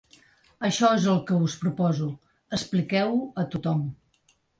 Això és el que us proposo: expliqueu-ho a tothom.